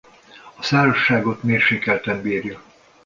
A szárazságot mérsékelten bírja.